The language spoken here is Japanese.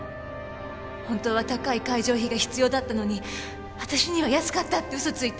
本当は高い会場費が必要だったのに私には安かったって嘘ついて。